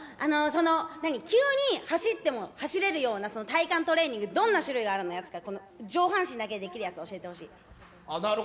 急に走っても、走れるような体幹トレーニング、どんな種類があるんですか、上半身だけできるやつ、教えてほなるほど、